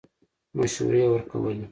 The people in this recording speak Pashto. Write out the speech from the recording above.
مشورې ورکولې.